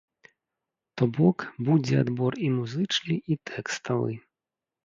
То бок, будзе адбор і музычны, і тэкставы.